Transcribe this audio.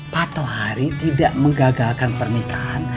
patuh hari tidak menggagalkan pernikahan